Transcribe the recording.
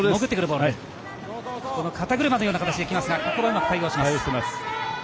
この肩車のような形できますがここはうまく対応します。